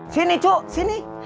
sini cuk sini